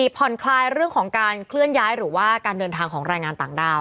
ผ่อนคลายเรื่องของการเคลื่อนย้ายหรือว่าการเดินทางของแรงงานต่างด้าว